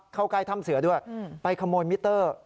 เข้าใกล้ถ้ำเสือด้วยไปขโมยมิเตอร์